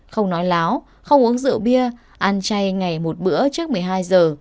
không nói láo không uống rượu bia ăn chay ngày một bữa trước một mươi hai giờ